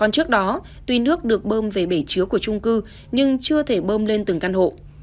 trước đó tuy nước được bơm về bể chứa của trung cư nhưng chưa thể bơm lên từng căn hộ